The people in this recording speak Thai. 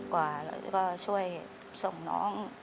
ก็ช่วยส่งน้อง